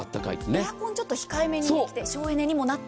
エアコンを控えめにできて省エネにもなって。